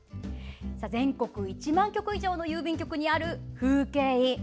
全国の１万局以上の郵便局にある風景印。